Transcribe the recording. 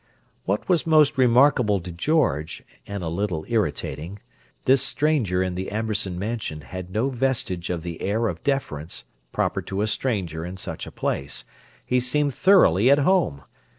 What was most remarkable to George, and a little irritating, this stranger in the Amberson Mansion had no vestige of the air of deference proper to a stranger in such a place: he seemed thoroughly at home.